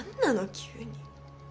急に。